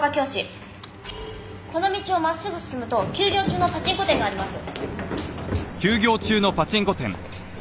この道を真っすぐ進むと休業中のパチンコ店があります。